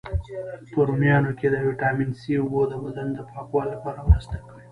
په رومیانو کی د ویټامین C، اوبو د بدن د پاکوالي لپاره مرسته کوي.